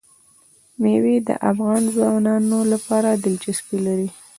مېوې د افغان ځوانانو لپاره دلچسپي لري.